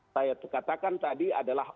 saya katakan tadi adalah